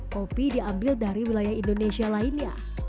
kopi diambil dari wilayah indonesia lainnya